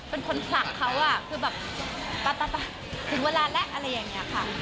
เป็นคนผลักเขาคือแบบถึงเวลาแล้วอะไรอย่างนี้ค่ะ